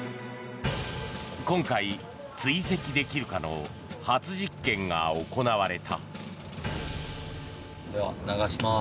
今回、追跡できるかの初実験が行われた。